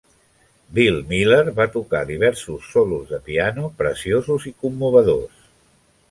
Bill Miller va tocar diversos solos de piano preciosos i commovedors.